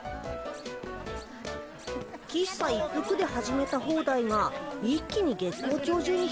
喫茶一服で始めたホーダイが一気に月光町中に広まったね。